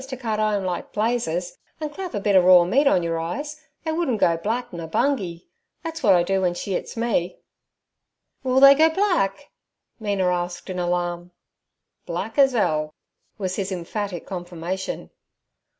'Missis, if you was t' cut 'ome like blazes, and clap a bit er raw meat on your eyes, they woulden' go black nur bungy. That's wot I do w'en she 'its me.' 'Will they go black?' Mina asked in alarm. 'Black as 'ell' was his emphatic confirmation.